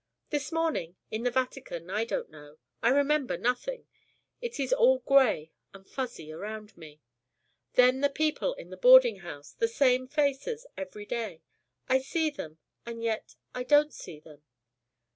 This morning, in the Vatican, I don't know: I remember nothing. It is all grey and fuzzy around me. Then the people in the boarding house: the same faces every day. I see them and yet I don't see them.